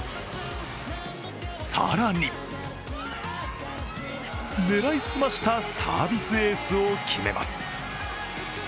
更に狙いすましたサービスエースを決めます。